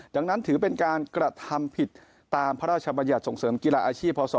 ดังนั้นถือเป็นการกระทำผิดตามพระราชบัญญัติส่งเสริมกีฬาอาชีพพศ